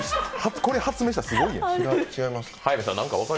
これ発明したらすごいやん。